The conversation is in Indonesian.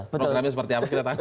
programnya seperti apa kita tahan